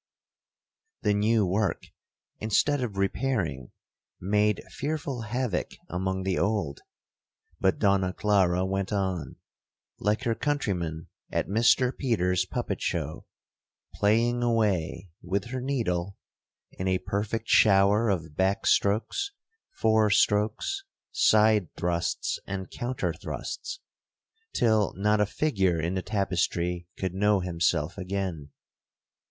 The new work, instead of repairing, made fearful havock among the old; but Donna Clara went on, like her countryman at Mr Peter's puppet show, playing away (with her needle) in a perfect shower of back strokes, forestrokes, side thrusts, and counter thrusts, till not a figure in the tapestry could know himself again.